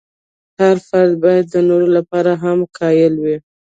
هر فرد باید د نورو لپاره هم قایل وي.